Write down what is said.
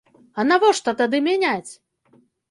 А навошта тады мяняць?